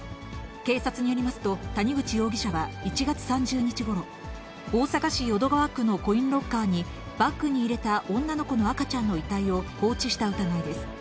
警察によりますと、谷口容疑者は１月３０日ごろ、大阪市淀川区のコインロッカーに、バッグに入れた女の子の赤ちゃんの遺体を放置した疑いです。